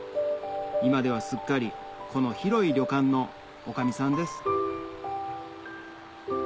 今ではすっかりこの広い旅館の女将さんです